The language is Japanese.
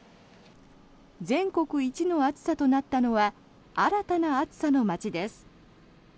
全国一の暑さとなったのは新たな暑さの街です。